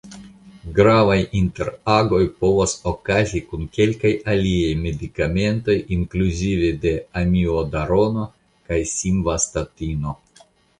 Gravaj interagoj povas okazi kun kelkaj aliaj medikamentoj inkluzive de Amiodarono kaj Simvastatino.